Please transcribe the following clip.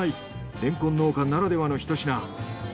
レンコン農家ならではのひと品。